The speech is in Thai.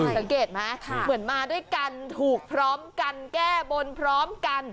สังเกตไหมเหมือนมาด้วยกันถูกพร้อมกันแก้บนพร้อมกัน